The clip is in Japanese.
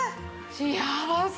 幸せ。